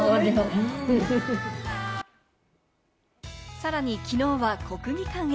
さらに昨日は国技館へ。